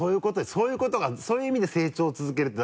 そういうことがそういう意味で成長を続けるって。